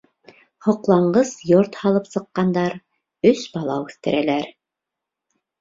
Һоҡланғыс йорт һалып сыҡҡандар, өс бала үҫтерәләр.